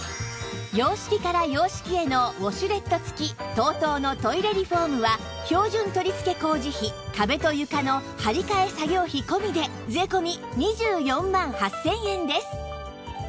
洋式から洋式へのウォシュレット付き ＴＯＴＯ のトイレリフォームは標準取り付け工事費壁と床の張り替え作業費込みで税込２４万８０００円です